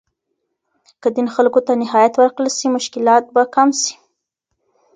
که دین خلګو ته نهایت ورکړل سي، مشکلات به کم سي.